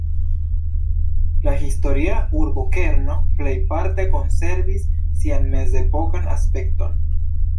La historia urbokerno plejparte konservis sian mezepokan aspekton.